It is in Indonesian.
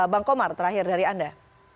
bang komar terakhir dari anda